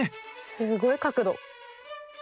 すごい角度。